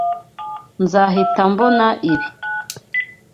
Nzahita mbona ibi.